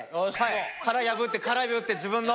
殻破って殻破って自分の。